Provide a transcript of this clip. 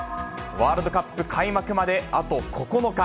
ワールドカップ開幕まであと９日。